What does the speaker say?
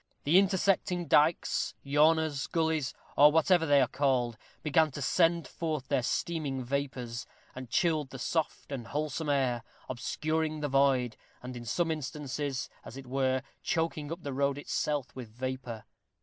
The intersecting dykes, yawners, gullies, or whatever they are called, began to send forth their steaming vapors, and chilled the soft and wholesome air, obscuring the void, and in some instances, as it were, choking up the road itself with vapor.